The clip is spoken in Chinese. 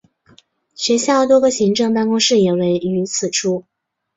学校多个行政办公室也位于此处。